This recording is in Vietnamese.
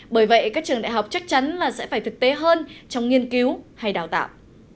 bởi vậy các trường đại học chắc chắn là sẽ phải thực tế hơn trong nghiên cứu hay đào tạo